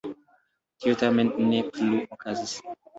Tio tamen ne plu okazis.